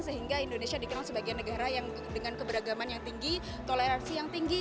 sehingga indonesia dikenal sebagai negara yang dengan keberagaman yang tinggi toleransi yang tinggi